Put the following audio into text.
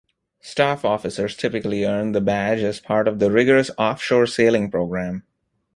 Staff officers typically earn the badge as part of the rigorous off-shore sailing program.